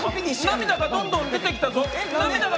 涙がどんどん出てきたぞ。